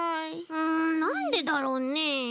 うんなんでだろうね。